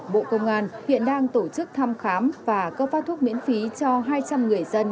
bộ công an hiện đang tổ chức thăm khám và cấp phát thuốc miễn phí cho hai trăm linh người dân